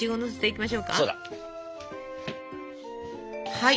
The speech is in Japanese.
はい。